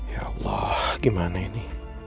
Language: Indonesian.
ya allah gimana ini